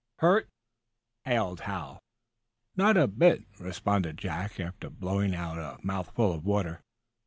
"Hurt?" hailed Hal. "Not a bit," responded Jack, after blowing out a mouthful of water.